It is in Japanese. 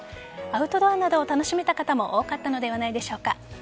アウトドアなどを楽しめた方も多かったのではないでしょうか。